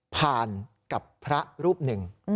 ผ่านกับพระรูปหนึ่ง